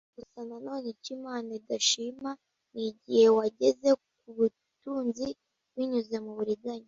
Gusa na none icyo Imana idashima ni igihe wageze ku butunzi binyuze mu buriganya